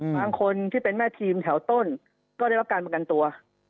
คนที่เป็นแม่ทีมแถวต้นก็ได้รับการประกันตัว